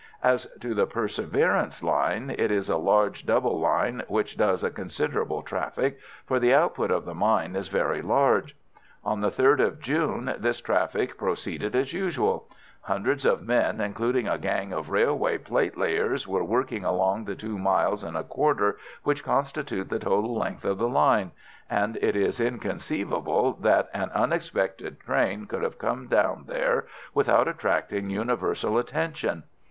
As to the Perseverance line, it is a large double line, which does a considerable traffic, for the output of the mine is very large. On the 3rd of June this traffic proceeded as usual; hundreds of men, including a gang of railway platelayers, were working along the two miles and a quarter which constitute the total length of the line, and it is inconceivable that an unexpected train could have come down there without attracting universal attention.